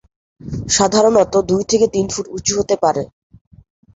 সাধারণত দুই থেকে তিন ফুট উঁচু হতে পারে।